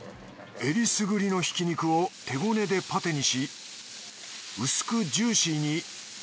えりすぐりのひき肉を手ごねでパテにし薄くジューシーに。